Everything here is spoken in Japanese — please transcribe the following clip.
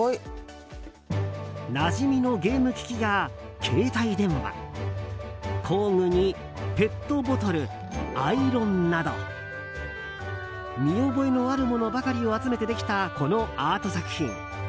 なじみのゲーム機器や携帯電話工具にペットボトルアイロンなど見覚えのあるものばかりを集めてできた、このアート作品。